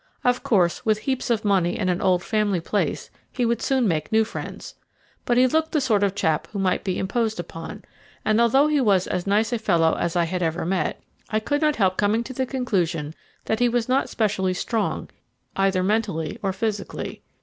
Of course, with heaps of money and an old family place he would soon make new friends; but he looked the sort of chap who might be imposed upon, and although he was as nice a fellow as I had ever met, I could not help coming to the conclusion that he was not specially strong, either mentally or physically.